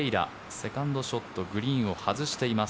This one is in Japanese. セカンドショットグリーンを外しています